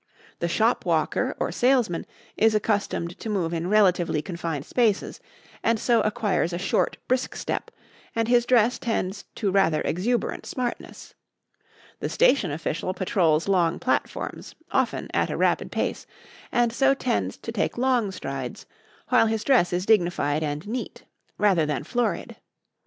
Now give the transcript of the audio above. The shop walker or salesman is accustomed to move in relatively confined spaces, and so acquires a short, brisk step, and his dress tends to rather exuberant smartness; the station official patrols long platforms, often at a rapid pace, and so tends to take long strides, while his dress is dignified and neat rather than florid.